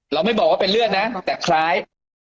เราไม่บอกว่าเป็นเลือดนะแต่คล้าย